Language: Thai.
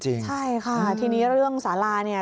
ใช่ค่ะทีนี้เรื่องสาราเนี่ย